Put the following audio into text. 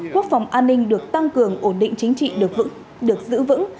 quốc phòng an ninh được tăng cường ổn định chính trị được giữ vững